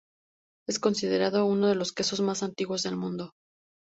Es considerado uno de los quesos más antiguos del mundo.